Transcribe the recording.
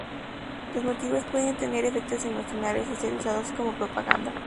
Los motivos pueden tener efectos emocionales y ser usados como propaganda.